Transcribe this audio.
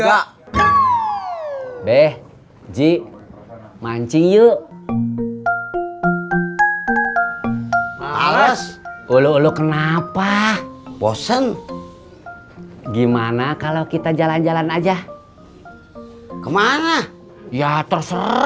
alas ulu ulu kenapa bosen gimana kalau kita jalan jalan aja kemana ya terserah tuh